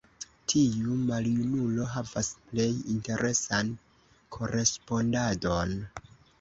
Tiu maljunulo havas plej interesan korespondadon.